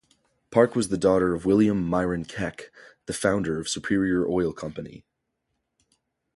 Park was the daughter of William Myron Keck, the founder of Superior Oil Company.